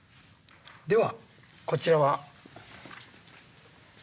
ではこちらは。